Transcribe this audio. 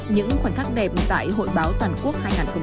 những khoảnh khắc đẹp tại hội báo toàn quốc hai nghìn hai mươi bốn